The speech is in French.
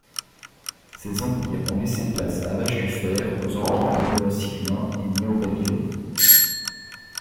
Ces empires ont laissé place à l'Âge du Fer aux empires néo-assyrien et néo-babylonien.